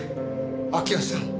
明代さん